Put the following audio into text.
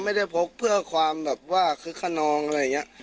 ไม่ได้พกเพื่อความแบบว่าคึกขนองอะไรอย่างนี้